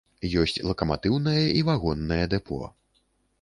Ёсць лакаматыўнае і вагоннае дэпо.